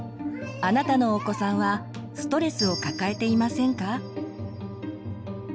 あなたのお子さんはストレスを抱えていませんか？